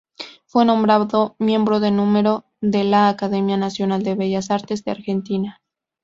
Fue nombrado miembro de número de la Academia Nacional de Bellas Artes de Argentina.